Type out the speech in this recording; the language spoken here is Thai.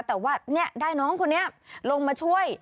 แต่ว่าได้น้องคนนี้ลงมาช่วย